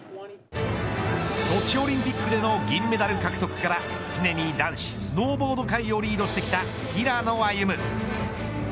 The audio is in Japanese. ソチオリンピックでの銀メダル獲得から常に、男子スノーボード界をリードしてきた平野歩夢。